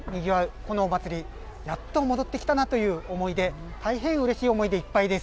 このお祭り、やっと戻ってきたなという思いで大変うれしい思いでいっぱいです。